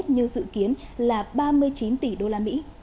như dự kiến là ba mươi chín tỷ usd